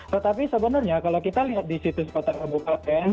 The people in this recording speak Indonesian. tetapi sebenarnya kalau kita lihat di situs kota kabupaten